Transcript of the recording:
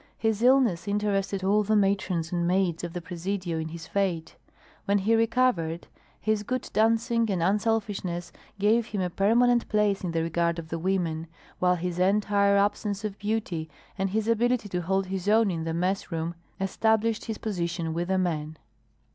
His illness interested all the matrons and maids of the Presidio in his fate; when he recovered, his good dancing and unselfishness gave him a permanent place in the regard of the women, while his entire absence of beauty, and his ability to hold his own in the mess room, established his position with the men.